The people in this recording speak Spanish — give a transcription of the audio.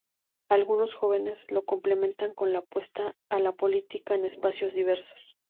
Algunos jóvenes lo complementan con la apuesta a la política en espacios diversos.